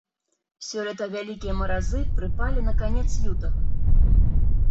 Сёлета вялікія маразы прыпалі на канец лютага.